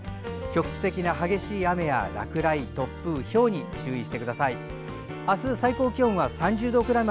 局地的な激しい雨や落雷、突風ひょうに注意してください。